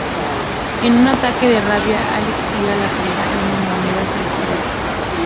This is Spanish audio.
En un ataque de rabia Alex tira la colección de monedas a la pared.